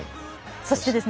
そしてですね